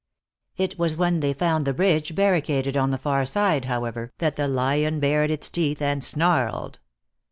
It was when they found the bridge barricaded on the far side, however, that the lion bared its teeth and snarled.